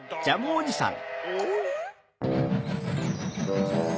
ジャムおじさん！